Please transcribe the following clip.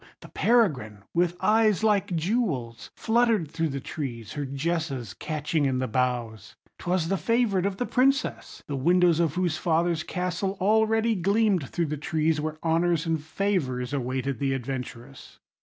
the peregrine, with eyes like jewels, fluttered through the trees, her jesses catching in the boughs. 'Twas the favourite of the Princess, the windows of whose father's castle already gleamed through the trees, where honours and favours awaited the adventurous.